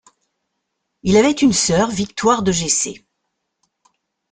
Il avait une sœur, Victoire de Jessé.